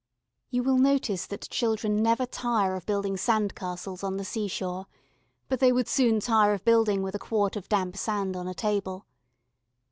You will notice that children never tire of building sand castles on the sea shore but they would soon tire of building with a quart of damp sand on a table.